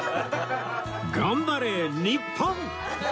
頑張れ日本！